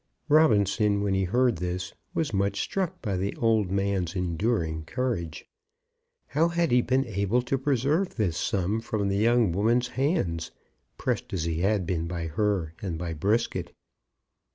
Robinson, when he heard this, was much struck by the old man's enduring courage. How had he been able to preserve this sum from the young woman's hands, pressed as he had been by her and by Brisket?